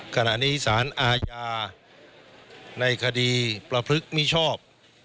ขณะนี้สารอาญาในคดีประพฤกษ์มิชอบ